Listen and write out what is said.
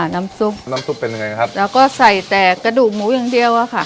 น้ำซุปน้ำซุปเป็นยังไงครับแล้วก็ใส่แต่กระดูกหมูอย่างเดียวอะค่ะ